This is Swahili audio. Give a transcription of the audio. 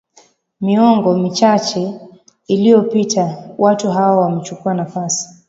miongo michache iliyopita watu hawa wamechukua nafasi